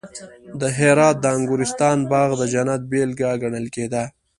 د هرات د انګورستان باغ د جنت بېلګه ګڼل کېده